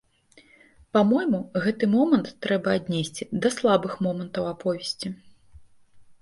Па-мойму, гэты момант трэба аднесці да слабых момантаў аповесці.